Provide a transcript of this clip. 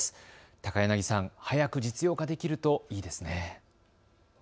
高柳さん、早く実用化できるといいですね。